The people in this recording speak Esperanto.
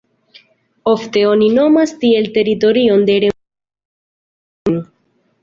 Ofte oni nomas tiel teritorion de remparo de Antonino norden.